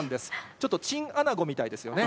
ちょっとチンアナゴみたいですよね。